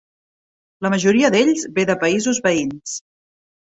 La majoria d'ells ve de països veïns.